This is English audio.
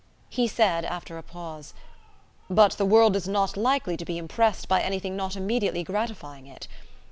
He said, after a pause: "But the world is not likely to be impressed by anything not immediately gratifying it.